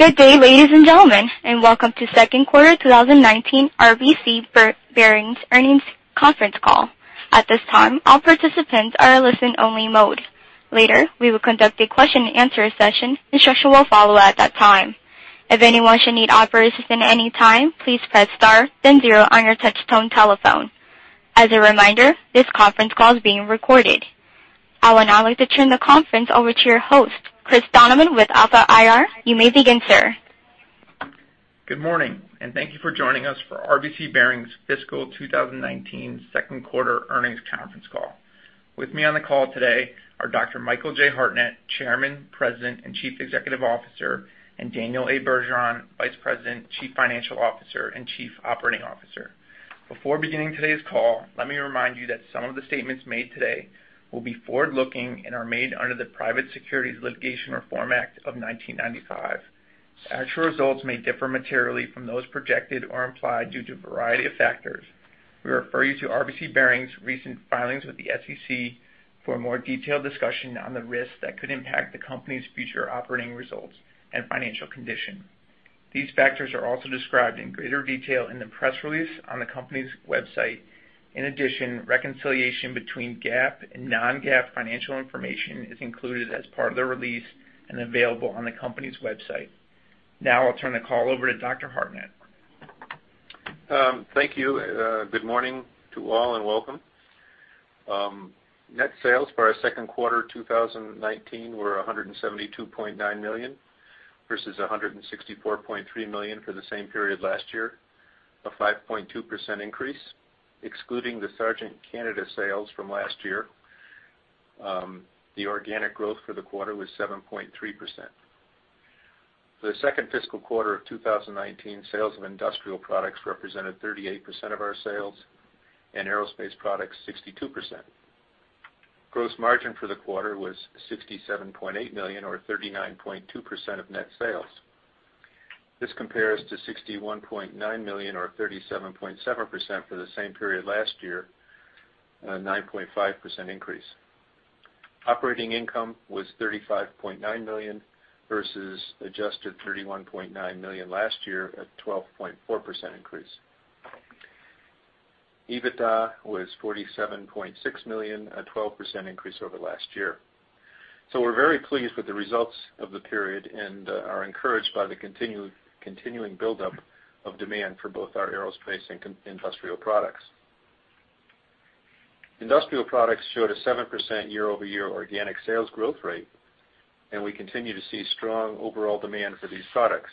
Good day, ladies and gentlemen, and welcome to second quarter 2019 RBC Bearings earnings conference call. At this time, all participants are in listen-only mode. Later, we will conduct a question-and-answer session. Instruction will follow at that time. If anyone should need operators at any time, please press star, then zero on your touch-tone telephone. As a reminder, this conference call is being recorded. I will now like to turn the conference over to your host, Chris Donovan with Alpha IR. You may begin, sir. Good morning, and thank you for joining us for RBC Bearings fiscal 2019 second quarter earnings conference call. With me on the call today are Dr. Michael J. Hartnett, Chairman, President, and Chief Executive Officer, and Daniel A. Bergeron, Vice President, Chief Financial Officer, and Chief Operating Officer. Before beginning today's call, let me remind you that some of the statements made today will be forward-looking and are made under the Private Securities Litigation Reform Act of 1995. The actual results may differ materially from those projected or implied due to a variety of factors. We refer you to RBC Bearings' recent filings with the SEC for a more detailed discussion on the risks that could impact the company's future operating results and financial condition. These factors are also described in greater detail in the press release on the company's website. In addition, reconciliation between GAAP and non-GAAP financial information is included as part of the release and available on the company's website. Now I'll turn the call over to Dr. Hartnett. Thank you. Good morning to all and welcome. Net sales for our second quarter 2019 were $172.9 million versus $164.3 million for the same period last year, a 5.2% increase. Excluding the Sargent Canada sales from last year, the organic growth for the quarter was 7.3%. For the second fiscal quarter of 2019, sales of industrial products represented 38% of our sales and aerospace products 62%. Gross margin for the quarter was $67.8 million or 39.2% of net sales. This compares to $61.9 million or 37.7% for the same period last year, a 9.5% increase. Operating income was $35.9 million versus adjusted $31.9 million last year, a 12.4% increase. EBITDA was $47.6 million, a 12% increase over last year. So we're very pleased with the results of the period and are encouraged by the continuing buildup of demand for both our aerospace and industrial products. Industrial products showed a 7% year-over-year organic sales growth rate, and we continue to see strong overall demand for these products.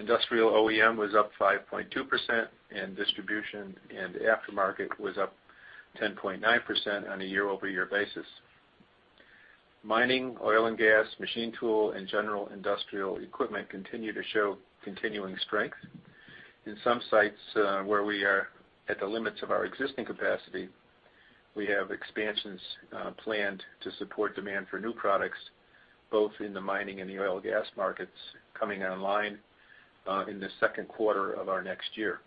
Industrial OEM was up 5.2%, and distribution and aftermarket was up 10.9% on a year-over-year basis. Mining, oil and gas, machine tool, and general industrial equipment continue to show continuing strength. In some sites where we are at the limits of our existing capacity, we have expansions planned to support demand for new products, both in the mining and the oil and gas markets, coming online in the second quarter of our next year.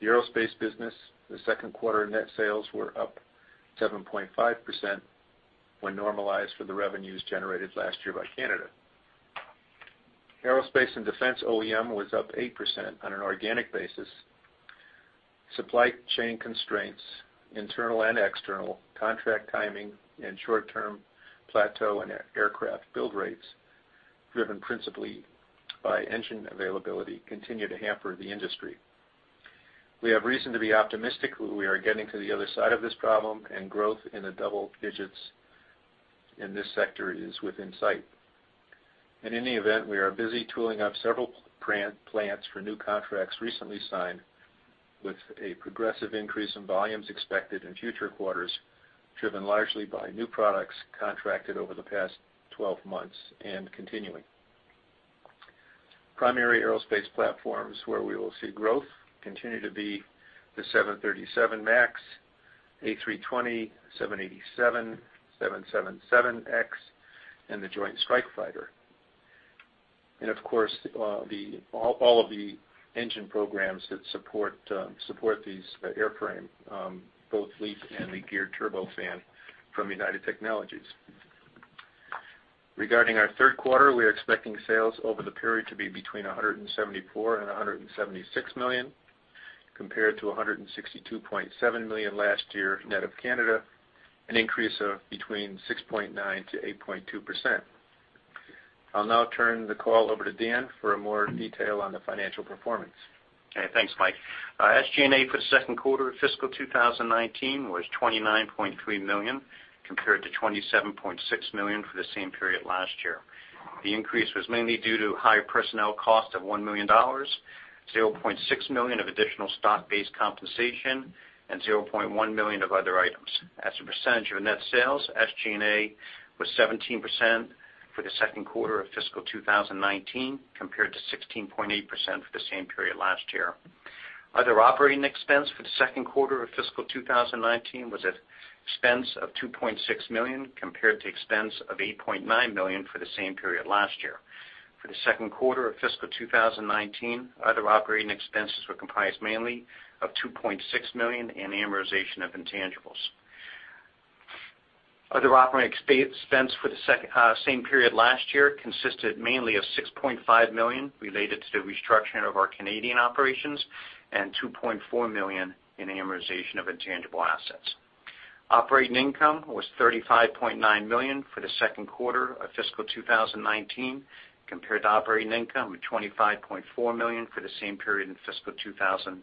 The aerospace business, the second quarter net sales were up 7.5% when normalized for the revenues generated last year by Canada. Aerospace and defense OEM was up 8% on an organic basis. Supply chain constraints, internal and external, contract timing, and short-term plateau in aircraft build rates, driven principally by engine availability, continue to hamper the industry. We have reason to be optimistic that we are getting to the other side of this problem, and growth in the double digits in this sector is within sight. In any event, we are busy tooling up several plants for new contracts recently signed, with a progressive increase in volumes expected in future quarters driven largely by new products contracted over the past 12 months and continuing. Primary aerospace platforms where we will see growth continue to be the 737 MAX, A320, 787, 777X, and the Joint Strike Fighter. And, of course, all of the engine programs that support these airframe, both LEAP and the Geared Turbofan from United Technologies. Regarding our third quarter, we are expecting sales over the period to be between $174 million-$176 million compared to $162.7 million last year net of Canada, an increase of between 6.9%-8.2%. I'll now turn the call over to Dan for more detail on the financial performance. Okay. Thanks, Mike. SG&A for the second quarter of fiscal 2019 was $29.3 million compared to $27.6 million for the same period last year. The increase was mainly due to higher personnel cost of $1 million, $0.6 million of additional stock-based compensation, and $0.1 million of other items. As a percentage of net sales, SG&A was 17% for the second quarter of fiscal 2019 compared to 16.8% for the same period last year. Other operating expense for the second quarter of fiscal 2019 was expense of $2.6 million compared to expense of $8.9 million for the same period last year. For the second quarter of fiscal 2019, other operating expenses were comprised mainly of $2.6 million in amortization of intangibles. Other operating expense for the same period last year consisted mainly of $6.5 million related to the restructuring of our Canadian operations and $2.4 million in amortization of intangible assets. Operating income was $35.9 million for the second quarter of fiscal 2019 compared to operating income of $25.4 million for the same period in fiscal 2018.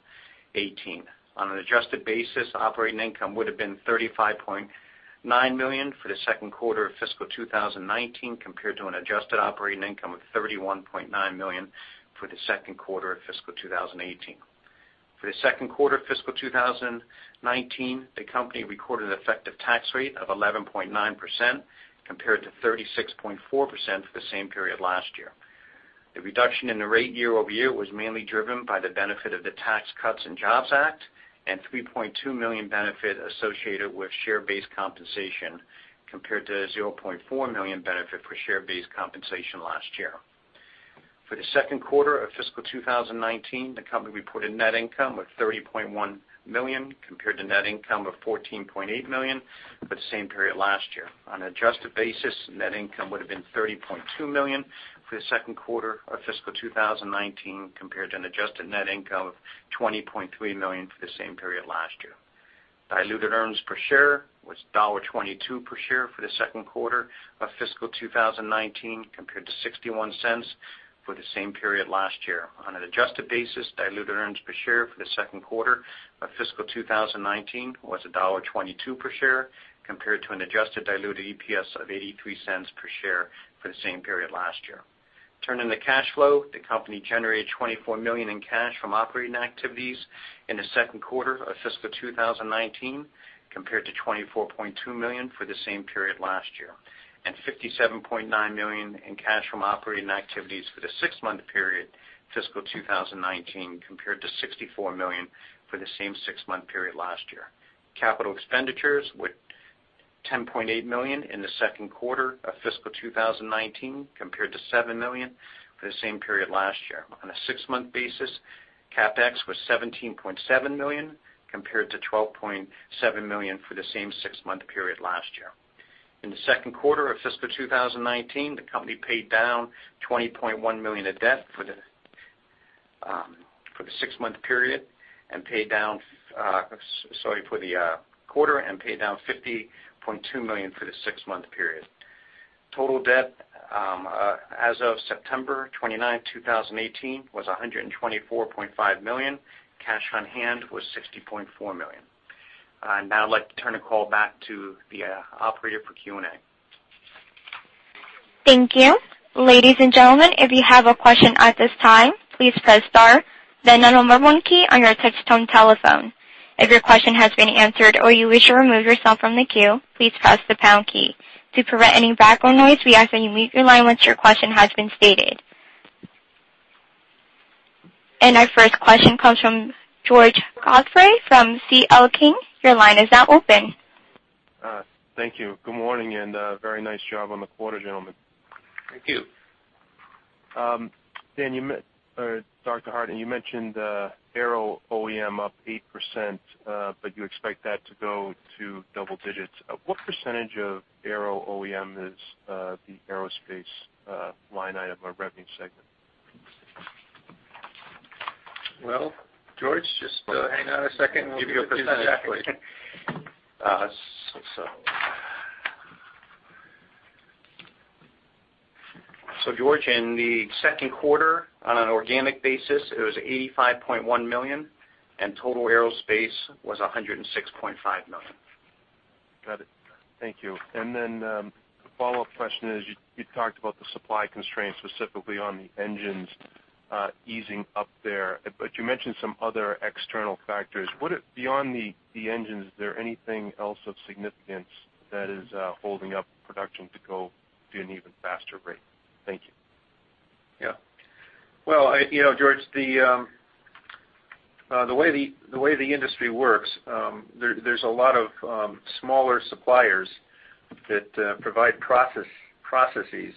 On an adjusted basis, operating income would have been $35.9 million for the second quarter of fiscal 2019 compared to an adjusted operating income of $31.9 million for the second quarter of fiscal 2018. For the second quarter of fiscal 2019, the company recorded an effective tax rate of 11.9% compared to 36.4% for the same period last year. The reduction in the rate year-over-year was mainly driven by the benefit of the Tax Cuts and Jobs Act and $3.2 million benefit associated with share-based compensation compared to $0.4 million benefit for share-based compensation last year. For the second quarter of fiscal 2019, the company reported net income of $30.1 million compared to net income of $14.8 million for the same period last year. On an adjusted basis, net income would have been $30.2 million for the second quarter of fiscal 2019 compared to an adjusted net income of $20.3 million for the same period last year. Diluted earnings per share was $1.22 per share for the second quarter of fiscal 2019 compared to $0.61 for the same period last year. On an adjusted basis, diluted earnings per share for the second quarter of fiscal 2019 was $1.22 per share compared to an adjusted diluted EPS of $0.83 per share for the same period last year. Turning to cash flow, the company generated $24 million in cash from operating activities in the second quarter of fiscal 2019 compared to $24.2 million for the same period last year and $57.9 million in cash from operating activities for the six-month period fiscal 2019 compared to $64 million for the same six-month period last year. Capital expenditures were $10.8 million in the second quarter of fiscal 2019 compared to $7 million for the same period last year. On a six-month basis, CapEx was $17.7 million compared to $12.7 million for the same six-month period last year. In the second quarter of fiscal 2019, the company paid down $20.1 million of debt for the six-month period and paid down sorry, for the quarter and paid down $50.2 million for the six-month period. Total debt as of September 29, 2018, was $124.5 million. Cash on hand was $60.4 million. I now would like to turn the call back to the operator for Q&A. Thank you. Ladies and gentlemen, if you have a question at this time, please press star, then the number one key on your touch-tone telephone. If your question has been answered or you wish to remove yourself from the queue, please press the pound key. To prevent any background noise, we ask that you mute your line once your question has been stated. Our first question comes from George Godfrey from C.L. King. Your line is now open. Thank you. Good morning and very nice job on the quarter, gentlemen. Thank you. Dan or Dr. Hartnett, you mentioned aero OEM up 8%, but you expect that to go to double digits. What percentage of aero OEM is the aerospace line item or revenue segment? Well, George, just hang on a second. We'll give you a percent exactly. So, George, in the second quarter, on an organic basis, it was $85.1 million and total aerospace was $106.5 million. Got it. Thank you. And then the follow-up question is you talked about the supply constraints specifically on the engines easing up there, but you mentioned some other external factors. Beyond the engines, is there anything else of significance that is holding up production to go to an even faster rate? Thank you. Yeah. Well, George, the way the industry works, there's a lot of smaller suppliers that provide processes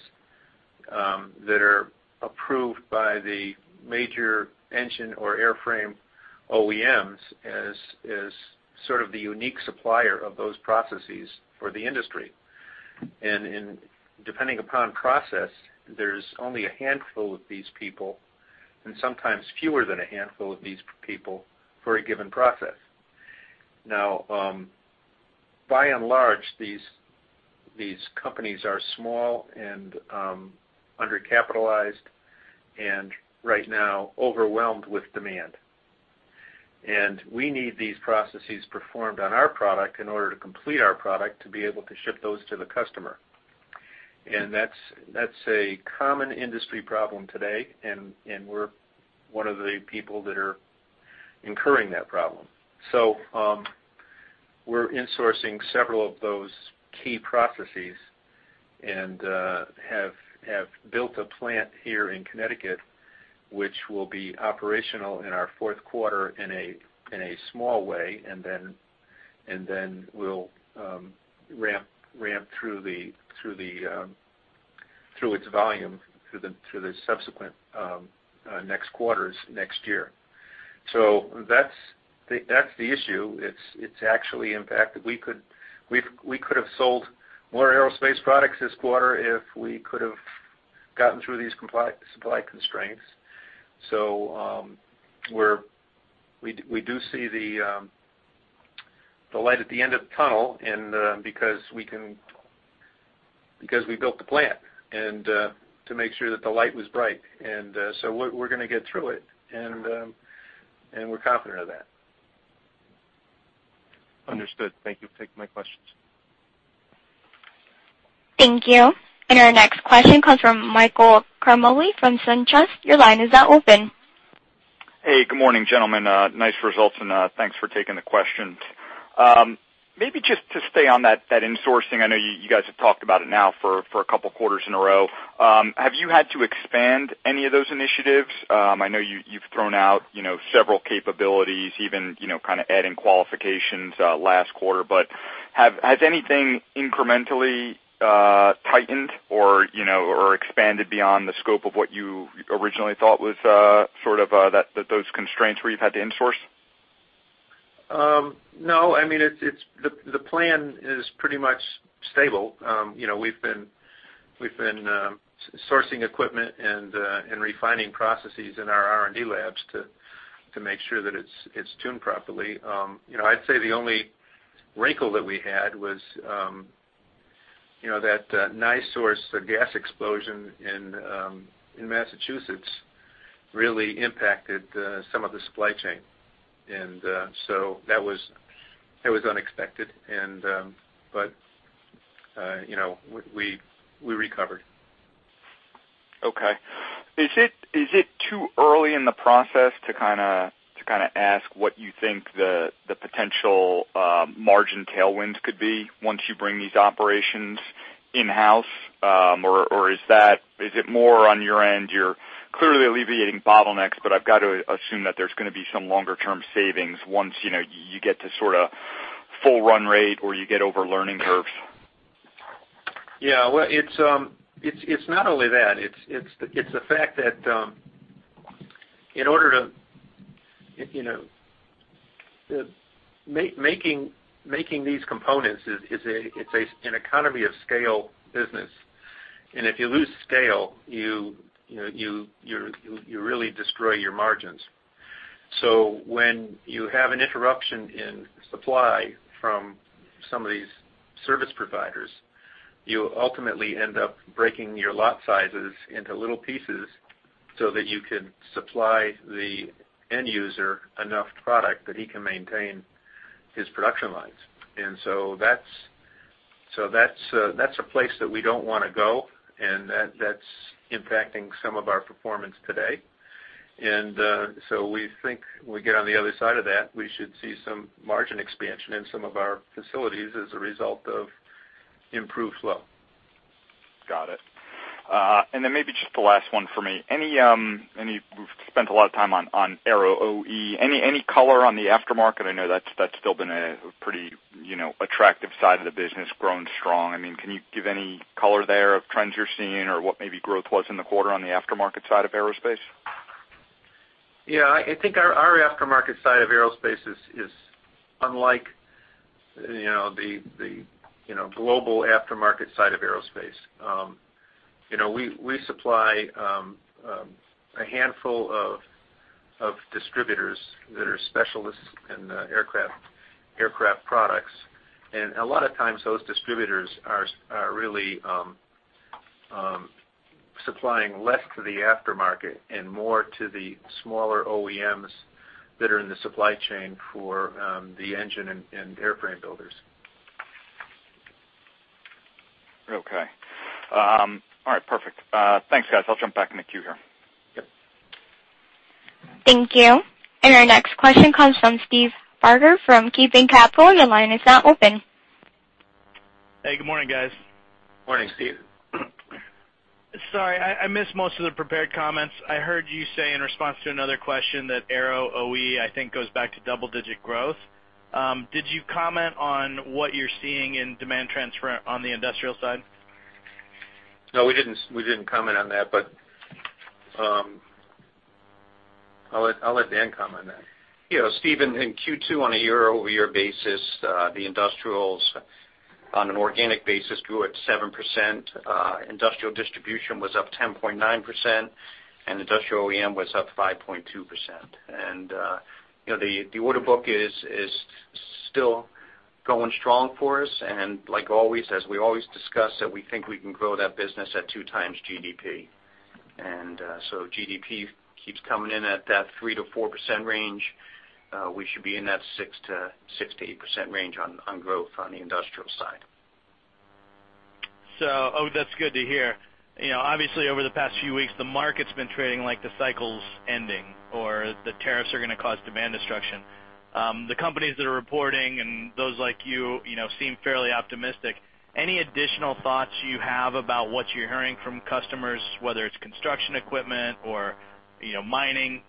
that are approved by the major engine or airframe OEMs as sort of the unique supplier of those processes for the industry. And depending upon process, there's only a handful of these people and sometimes fewer than a handful of these people for a given process. Now, by and large, these companies are small and undercapitalized and right now overwhelmed with demand. And we need these processes performed on our product in order to complete our product to be able to ship those to the customer. And that's a common industry problem today, and we're one of the people that are incurring that problem. We're insourcing several of those key processes and have built a plant here in Connecticut, which will be operational in our fourth quarter in a small way, and then we'll ramp through its volume through the subsequent next quarters next year. That's the issue. It's actually in fact that we could have sold more aerospace products this quarter if we could have gotten through these supply constraints. We do see the light at the end of the tunnel because we built the plant and to make sure that the light was bright. We're going to get through it, and we're confident of that. Understood. Thank you. Take my questions. Thank you. And our next question comes from Michael Ciarmoli from SunTrust. Your line is now open. Hey. Good morning, gentlemen. Nice results, and thanks for taking the question. Maybe just to stay on that insourcing, I know you guys have talked about it now for a couple quarters in a row. Have you had to expand any of those initiatives? I know you've thrown out several capabilities, even kind of adding qualifications last quarter, but has anything incrementally tightened or expanded beyond the scope of what you originally thought was sort of those constraints where you've had to insource? No. I mean, the plan is pretty much stable. We've been sourcing equipment and refining processes in our R&D labs to make sure that it's tuned properly. I'd say the only wrinkle that we had was that NiSource gas explosion in Massachusetts really impacted some of the supply chain. And so that was unexpected, but we recovered. Okay. Is it too early in the process to kind of ask what you think the potential margin tailwinds could be once you bring these operations in-house, or is it more on your end? You're clearly alleviating bottlenecks, but I've got to assume that there's going to be some longer-term savings once you get to sort of full run rate or you get over learning curves. Yeah. Well, it's not only that. It's the fact that in order to making these components, it's an economy of scale business. And if you lose scale, you really destroy your margins. So when you have an interruption in supply from some of these service providers, you ultimately end up breaking your lot sizes into little pieces so that you can supply the end user enough product that he can maintain his production lines. And so that's a place that we don't want to go, and that's impacting some of our performance today. And so we think when we get on the other side of that, we should see some margin expansion in some of our facilities as a result of improved flow. Got it. And then maybe just the last one for me. We've spent a lot of time on aero OE. Any color on the aftermarket? I know that's still been a pretty attractive side of the business, grown strong. I mean, can you give any color there of trends you're seeing or what maybe growth was in the quarter on the aftermarket side of aerospace? Yeah. I think our aftermarket side of aerospace is unlike the global aftermarket side of aerospace. We supply a handful of distributors that are specialists in aircraft products. A lot of times, those distributors are really supplying less to the aftermarket and more to the smaller OEMs that are in the supply chain for the engine and airframe builders. Okay. All right. Perfect. Thanks, guys. I'll jump back in the queue here. Yep. Thank you. And our next question comes from Steve Barger from KeyBanc Capital Markets. Your line is now open. Hey. Good morning, guys. Morning, Steve. Sorry. I missed most of the prepared comments. I heard you say in response to another question that aero OEM, I think, goes back to double-digit growth. Did you comment on what you're seeing in demand transfer on the industrial side? No, we didn't comment on that, but I'll let Dan comment on that. Steve, in Q2, on a year-over-year basis, the industrials on an organic basis grew at 7%. Industrial distribution was up 10.9%, and industrial OEM was up 5.2%. And the order book is still going strong for us. And like always, as we always discuss that we think we can grow that business at two times GDP. And so GDP keeps coming in at that 3%-4% range. We should be in that 6%-8% range on growth on the industrial side. Oh, that's good to hear. Obviously, over the past few weeks, the market's been trading like the cycle's ending or the tariffs are going to cause demand destruction. The companies that are reporting and those like you seem fairly optimistic. Any additional thoughts you have about what you're hearing from customers, whether it's construction equipment or mining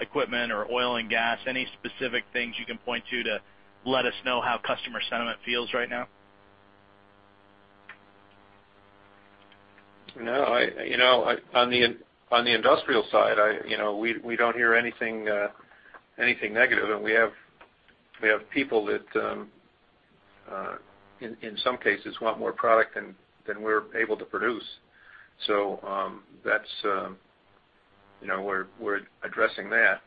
equipment or oil and gas? Any specific things you can point to to let us know how customer sentiment feels right now? No. On the industrial side, we don't hear anything negative, and we have people that, in some cases, want more product than we're able to produce. So we're addressing that.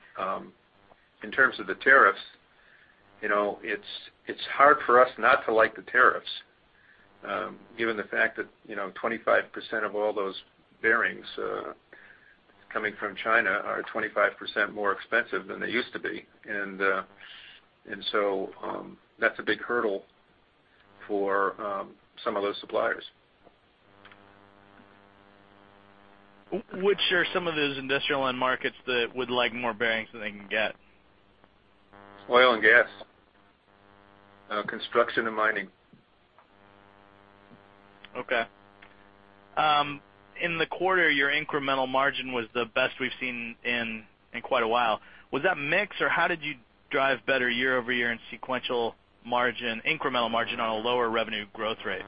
In terms of the tariffs, it's hard for us not to like the tariffs given the fact that 25% of all those bearings coming from China are 25% more expensive than they used to be. And so that's a big hurdle for some of those suppliers. Which are some of those industrial-end markets that would like more bearings than they can get? Oil and gas, construction, and mining. Okay. In the quarter, your incremental margin was the best we've seen in quite a while. Was that mixed, or how did you drive better year-over-year in incremental margin on a lower revenue growth rate?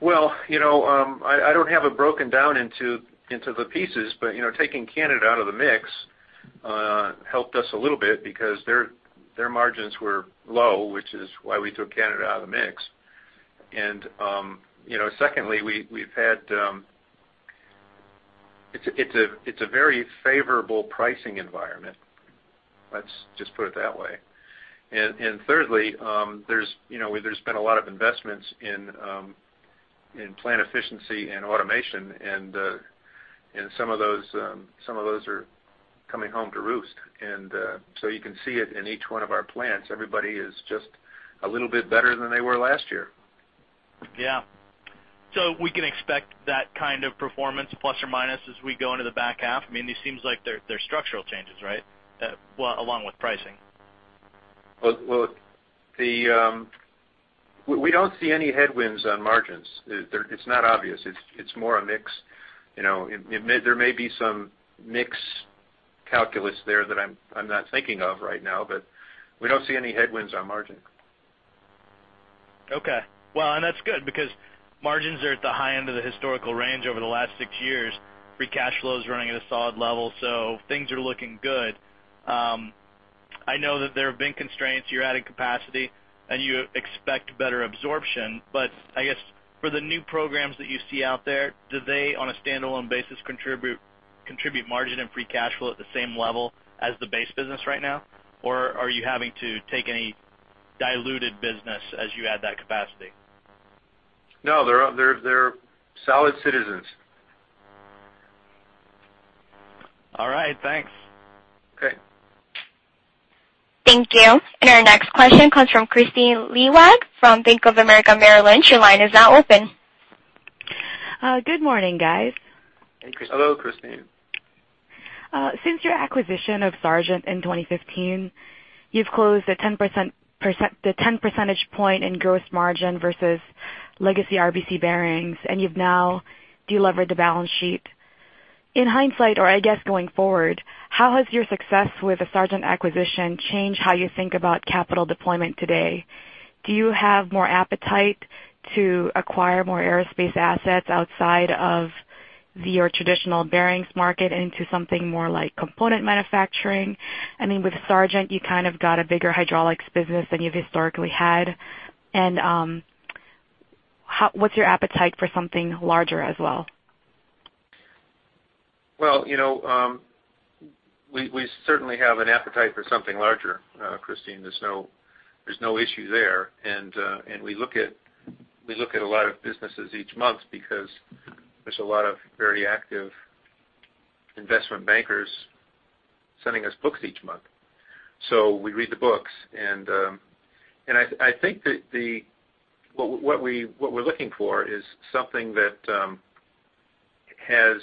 Well, I don't have it broken down into the pieces, but taking Canada out of the mix helped us a little bit because their margins were low, which is why we took Canada out of the mix. And secondly, we've had. It's a very favorable pricing environment. Let's just put it that way. And thirdly, there's been a lot of investments in plant efficiency and automation, and some of those are coming home to roost. And so you can see it in each one of our plants. Everybody is just a little bit better than they were last year. Yeah. So we can expect that kind of performance plus or minus as we go into the back half. I mean, it seems like there's structural changes, right, along with pricing? Well, we don't see any headwinds on margins. It's not obvious. It's more a mix. There may be some mixed calculus there that I'm not thinking of right now, but we don't see any headwinds on margin. Okay. Well, that's good because margins are at the high end of the historical range over the last six years. Free cash flow is running at a solid level, so things are looking good. I know that there have been constraints. You're adding capacity, and you expect better absorption. But I guess for the new programs that you see out there, do they, on a standalone basis, contribute margin and free cash flow at the same level as the base business right now, or are you having to take any diluted business as you add that capacity? No. They're solid citizens. All right. Thanks. Okay. Thank you. And our next question comes from Kristine Liwag from Bank of America Merrill Lynch. Your line is now open. Good morning, guys. Hey, Kristine. Hello, Kristine. Since your acquisition of Sargent in 2015, you've closed the 10 percentage point in gross margin versus legacy RBC Bearings, and you've now delevered the balance sheet. In hindsight, or I guess going forward, how has your success with a Sargent acquisition changed how you think about capital deployment today? Do you have more appetite to acquire more aerospace assets outside of your traditional bearings market into something more like component manufacturing? I mean, with Sargent, you kind of got a bigger hydraulics business than you've historically had. What's your appetite for something larger as well? Well, we certainly have an appetite for something larger, Kristine. There's no issue there. And we look at a lot of businesses each month because there's a lot of very active investment bankers sending us books each month. So we read the books. And I think that what we're looking for is something that has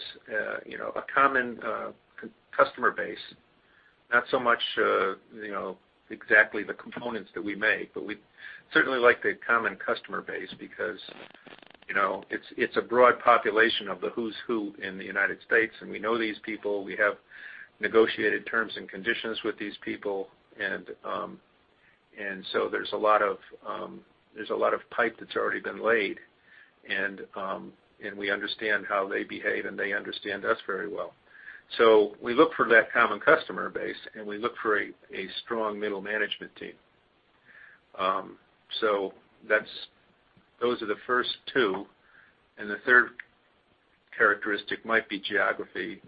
a common customer base, not so much exactly the components that we make, but we certainly like the common customer base because it's a broad population of the who's who in the United States, and we know these people. We have negotiated terms and conditions with these people. And so there's a lot of pipe that's already been laid, and we understand how they behave, and they understand us very well. So we look for that common customer base, and we look for a strong middle management team. Those are the first two. The third characteristic might be geography.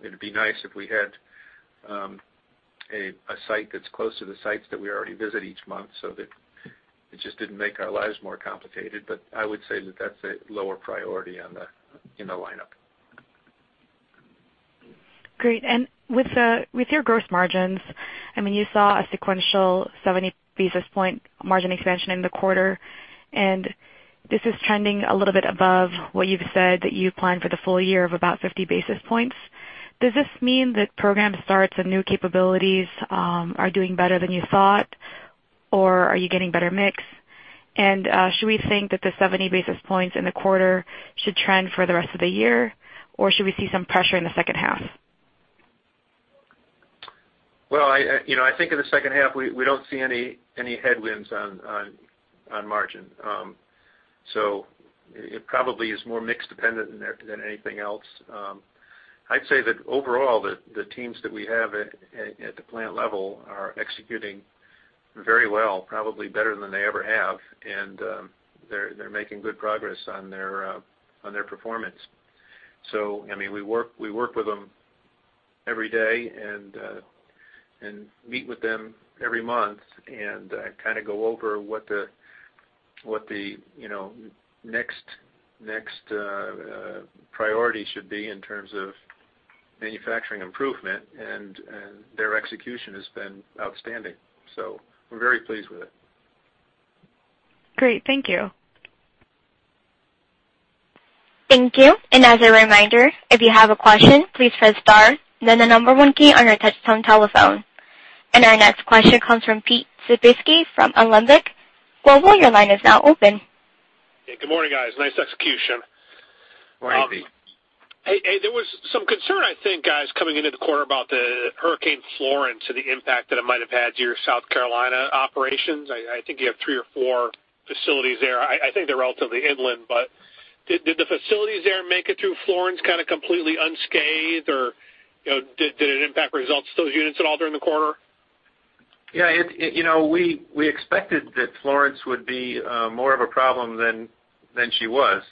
It'd be nice if we had a site that's close to the sites that we already visit each month so that it just didn't make our lives more complicated. I would say that that's a lower priority in the lineup. Great. And with your gross margins, I mean, you saw a sequential 70 basis points margin expansion in the quarter, and this is trending a little bit above what you've said that you plan for the full year of about 50 basis points. Does this mean that program starts and new capabilities are doing better than you thought, or are you getting better mix? And should we think that the 70 basis points in the quarter should trend for the rest of the year, or should we see some pressure in the second half? Well, I think in the second half, we don't see any headwinds on margin. So it probably is more mix-dependent than anything else. I'd say that overall, the teams that we have at the plant level are executing very well, probably better than they ever have, and they're making good progress on their performance. So I mean, we work with them every day and meet with them every month and kind of go over what the next priority should be in terms of manufacturing improvement. And their execution has been outstanding, so we're very pleased with it. Great. Thank you. Thank you. As a reminder, if you have a question, please press star, then the number one key on your touch-tone telephone. Our next question comes from Pete Skibitski from Alembic Global. Your line is now open. Hey. Good morning, guys. Nice execution. Morning, Pete. Hey. There was some concern, I think, guys, coming into the quarter about Hurricane Florence and the impact that it might have had to your South Carolina operations. I think you have three or four facilities there. I think they're relatively inland, but did the facilities there make it through Florence kind of completely unscathed, or did it impact results to those units at all during the quarter? Yeah. We expected that Florence would be more of a problem than she was.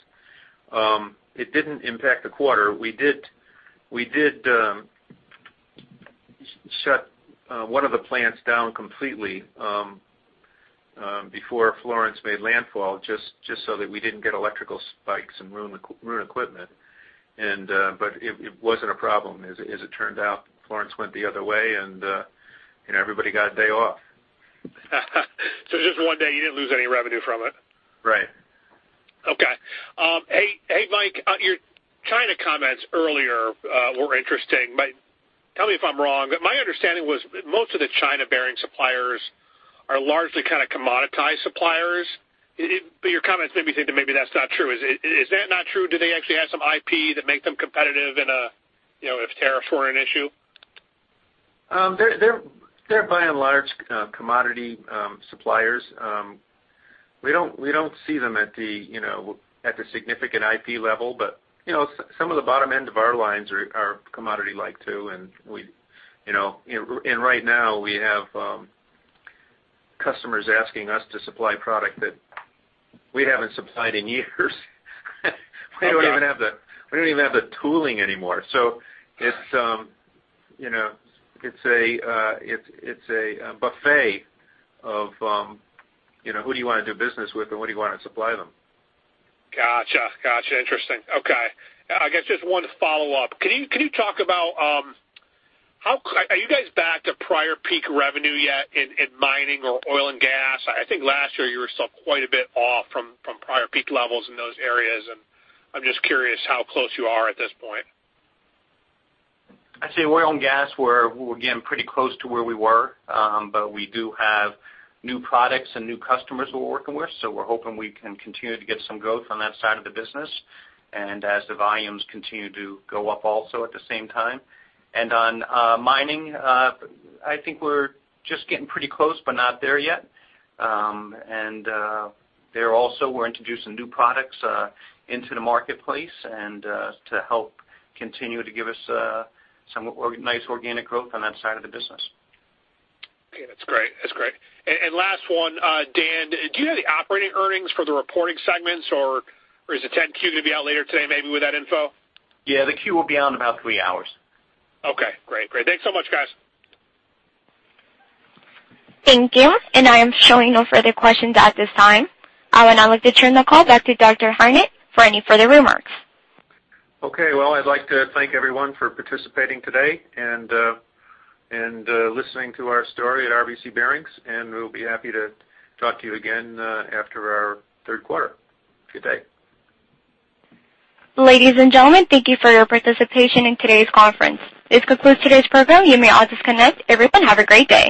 It didn't impact the quarter. We did shut one of the plants down completely before Florence made landfall just so that we didn't get electrical spikes and ruin equipment. But it wasn't a problem, as it turned out. Florence went the other way, and everybody got a day off. Just one day. You didn't lose any revenue from it? Right. Okay. Hey, Mike. Your China comments earlier were interesting. Tell me if I'm wrong. My understanding was most of the China bearing suppliers are largely kind of commoditized suppliers. But your comments made me think that maybe that's not true. Is that not true? Do they actually have some IP that make them competitive if tariffs were an issue? They're by and large commodity suppliers. We don't see them at the significant IP level, but some of the bottom end of our lines are commodity-like too. And right now, we have customers asking us to supply product that we haven't supplied in years. We don't even have the tooling anymore. So it's a buffet of who do you want to do business with, and what do you want to supply them? Gotcha. Gotcha. Interesting. Okay. I guess just one follow-up. Can you talk about are you guys back to prior peak revenue yet in mining or oil and gas? I think last year, you were still quite a bit off from prior peak levels in those areas, and I'm just curious how close you are at this point. I'd say oil and gas were, again, pretty close to where we were, but we do have new products and new customers we're working with. So we're hoping we can continue to get some growth on that side of the business and as the volumes continue to go up also at the same time. And on mining, I think we're just getting pretty close but not there yet. And there also, we're introducing new products into the marketplace to help continue to give us some nice organic growth on that side of the business. Hey. That's great. That's great. And last one, Dan, do you have the operating earnings for the reporting segments, or is the 10-Q going to be out later today maybe with that info? Yeah. The Q will be out in about three hours. Okay. Great. Great. Thanks so much, guys. Thank you. I am showing no further questions at this time. I'd like to turn the call back to Dr. Hartnett for any further remarks. Okay. Well, I'd like to thank everyone for participating today and listening to our story at RBC Bearings, and we'll be happy to talk to you again after our third quarter. Good day. Ladies and gentlemen, thank you for your participation in today's conference. This concludes today's program. You may all disconnect. Everyone, have a great day.